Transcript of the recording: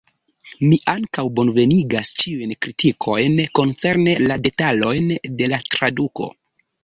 Mi ankaŭ bonvenigas ĉiujn kritikojn koncerne la detalojn de la traduko.